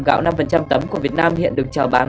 gạo năm tấm của việt nam hiện được trào bán